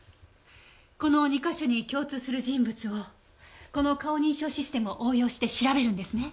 この２か所に共通する人物をこの顔認証システムを応用して調べるんですね？